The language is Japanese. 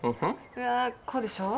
うわぁ、こうでしょう？